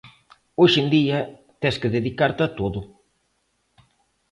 Hoxe en día tes que dedicarte a todo.